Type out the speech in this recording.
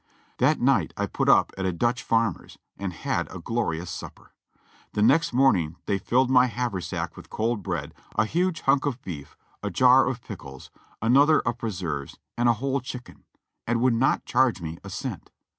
That night I put up at a Dutch farmer's and had a glorious supper. The next morning they filled my haver sack with cold bread, a huge hunk of beef, a jar of pickles, an other of preserves and a whole chicken, and would not charge me a cent.